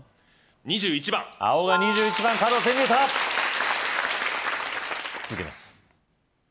２１番青が２１番の角を手に入れた続けます